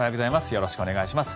よろしくお願いします。